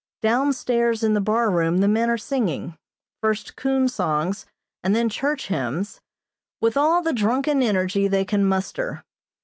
Down stairs in the bar room the men are singing, first coon songs and then church hymns, with all the drunken energy they can muster.